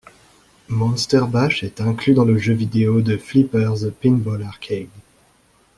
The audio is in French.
Monster Bash est inclus dans le jeux vidéo de flipper The Pinball Arcade.